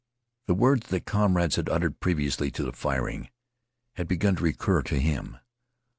The words that comrades had uttered previous to the firing began to recur to him.